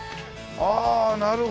ああなるほどね。